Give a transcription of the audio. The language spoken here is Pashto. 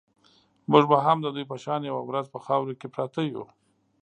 موږ به هم د دوی په شان یوه ورځ په خاورو کې پراته یو.